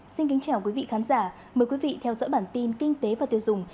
xin kính chào quý vị khán giả mời quý vị theo dõi bản tin kinh tế và tiêu dùng